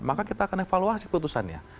maka kita akan evaluasi putusannya